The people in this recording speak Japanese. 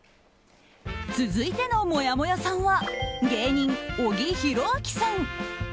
続いてのもやもやさんは芸人、小木博明さん。